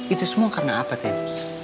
itu semua karena apa tadi